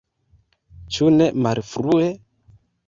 Ĉu ne malfrue?